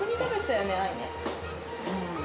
うん。